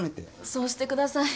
そうしてください。